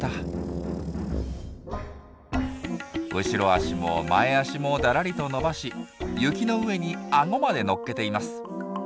後ろ足も前足もだらりと伸ばし雪の上にアゴまで乗っけています。